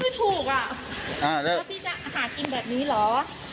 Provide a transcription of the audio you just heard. ใช่วันเสาร์เองทำอะไรถึงกระเป๋าหายอ่ะไม่ได้หายหรอก